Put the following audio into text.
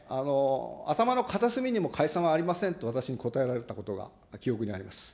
頭の片隅にも解散はありませんと、私に答えられたことが記憶にあります。